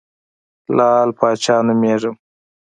لعل پاچا نومېږم.